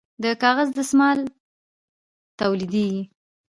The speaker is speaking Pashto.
د کاغذ دستمال تولیدیږي